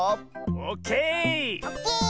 オッケー！